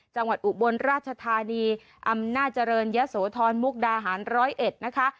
อุบลราชธานีอำนาจเจริญยะโสธรมุกดาหารร้อยเอ็ดนะคะ